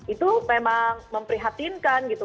itu memang memprihatinkan gitu